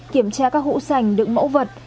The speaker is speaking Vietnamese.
kiểm tra các hũ sành đựng mẫu vật